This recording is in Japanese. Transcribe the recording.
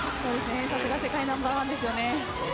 さすが世界ナンバーワンです。